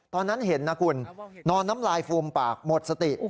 ตอนนั้นเห็นนะคุณนอนน้ำลายฟูมปากหมดสติ